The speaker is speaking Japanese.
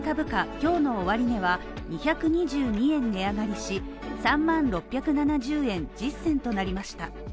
今日の終値は、２２２円値上がりし、３万６７０円１０銭となりました。